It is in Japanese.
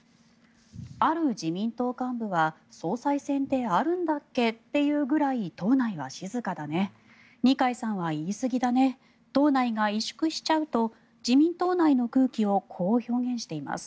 ある自民党幹部は総裁選ってあるんだっけっていうぐらい党内は静かだね二階さんは言いすぎだね党内が萎縮しちゃうと自民党内の空気をこう表現しています。